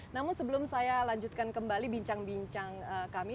namun sebelum saya lanjutkan kembali bincang bincang kami